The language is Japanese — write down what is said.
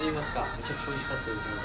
めちゃくちゃおいしかったです。